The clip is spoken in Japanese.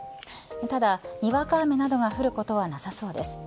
ただ、にわか雨などが降ることはなさそうです。